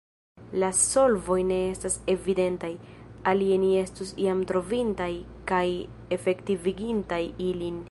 La solvoj ne estas evidentaj, alie ni estus jam trovintaj kaj efektivigintaj ilin.